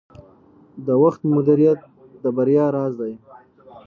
د وخت مدیریت د بریا راز دی.